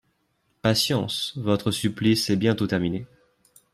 Patience, votre supplice est bientôt terminé